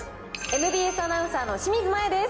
ＭＢＳアナウンサーの清水麻椰です。